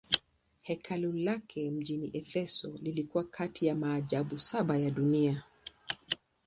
Hekalu lake mjini Efeso lilikuwa kati ya maajabu saba ya dunia.